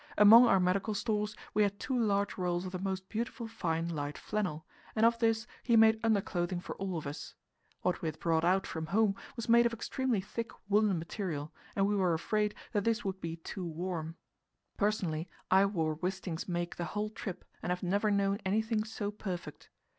Among our medical stores we had two large rolls of the most beautiful fine light flannel, and of this he made underclothing for all of us. What we had brought out from home was made of extremely thick woollen material, and we were afraid this would be too warm. Personally, I wore Wisting's make the whole trip, and have never known anything so perfect.